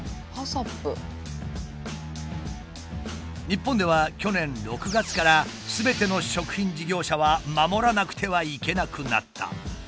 日本では去年６月からすべての食品事業者は守らなくてはいけなくなった。